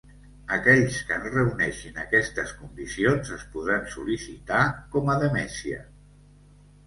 Aquells que no reuneixin aquestes condicions es podran sol·licitar com a demesia.